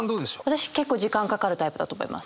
私結構時間かかるタイプだと思います。